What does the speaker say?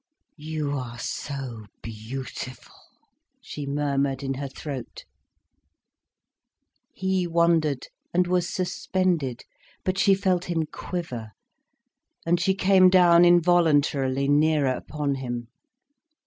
"You are so beautiful," she murmured in her throat. He wondered, and was suspended. But she felt him quiver, and she came down involuntarily nearer upon him.